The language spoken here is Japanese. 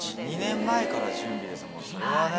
２年前から準備ですもんそれはね。